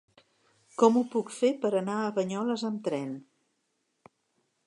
Com ho puc fer per anar a Banyoles amb tren?